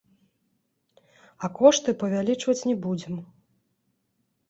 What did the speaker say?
А кошты павялічваць не будзем.